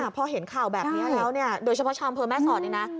พอเห็นข่าวแบบนี้แล้วโดยเฉพาะชาวอำเภอแม่สอดนี่นะ